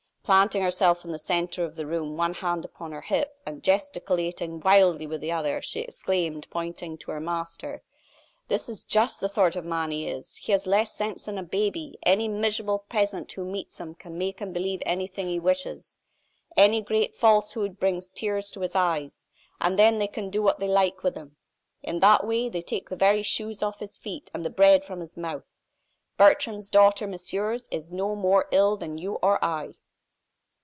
Planting herself in the centre of the room, one hand upon her hip, and gesticulating wildly with the other, she exclaimed, pointing to her master: "That is just the sort of man he is; he has less sense than a baby! Any miserable peasant who meets him can make him believe anything he wishes. Any great falsehood brings tears to his eyes, and then they can do what they like with him. In that way they take the very shoes off his feet and the bread from his mouth. Bertrande's daughter, messieurs, is no more ill than you or I!"